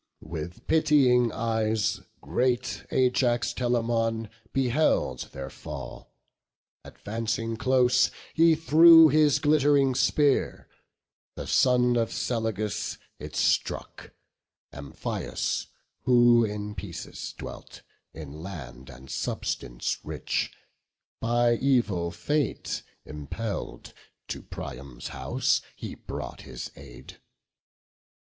With pitying eyes great Ajax Telamon Beheld their fall; advancing close, he threw His glitt'ring spear; the son of Selagus It struck, Amphius, who in Paesus dwelt, In land and substance rich; by evil fate Impell'd, to Priam's house he brought his aid.